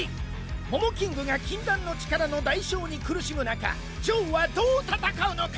モモキングが禁断の力の代償に苦しむなかジョーはどう戦うのか？